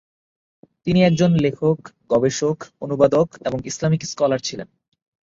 তিনি একজন লেখক, গবেষক, অনুবাদক এবং ইসলামিক স্কলার ছিলেন।